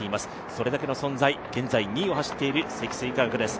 それだけの存在、現在２位を走っている積水化学です。